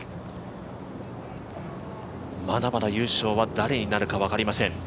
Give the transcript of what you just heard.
まだまだ優勝は誰になるか分かりません。